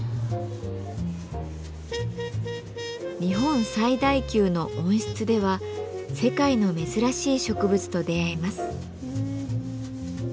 日本最大級の温室では世界の珍しい植物と出会えます。